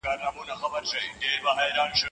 زه د دادا انګړ کي ګوښې ناسته یمه